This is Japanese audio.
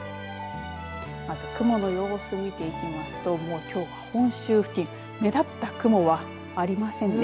まず雲の様子を見ていきますときょう本州付近目立った雲はありませんね。